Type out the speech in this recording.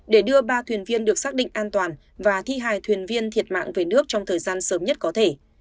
để đưa ba thuyền viên được xác định an toàn và thi hai thuyền viên thiệt mạng về nước trong thời gian sớm nhất có thể